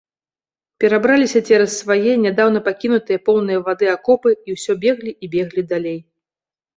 Перабраліся цераз свае, нядаўна пакінутыя, поўныя вады акопы і ўсё беглі і беглі далей.